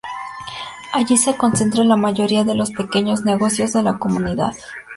Allí se concentra la mayoría de los pequeños negocios de la comunidad.